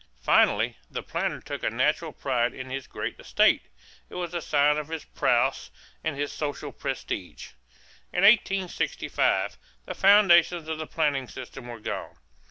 Finally, the planter took a natural pride in his great estate; it was a sign of his prowess and his social prestige. In 1865 the foundations of the planting system were gone.